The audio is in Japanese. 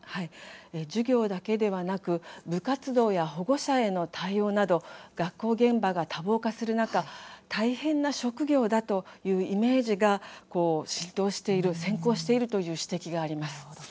授業だけでなく部活動や保護者への対応など学校現場が多忙化する中大変な職業だというイメージが浸透している、先行していると指摘されています。